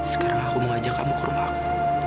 sekarang aku mau ngajak kamu ke rumah aku